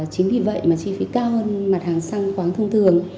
chính vì vậy mà chi phí cao hơn mặt hàng xăng khoáng thông thường